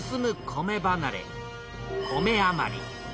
米余り。